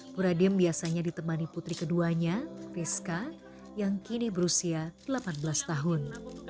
bu radiem biasanya ditemani putri keduanya rizka yang kini berusia delapan belas tahun